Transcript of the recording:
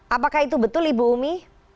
apakah itu betul ibu umi